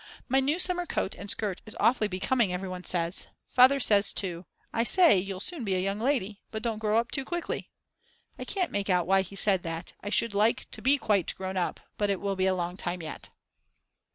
My new summer coat and skirt is awfully becoming everyone says. Father says too: "I say, you'll soon be a young lady! But don't grow up too quickly!" I can't make out why he said that; I should like to be quite grown up; but it will be a long time yet.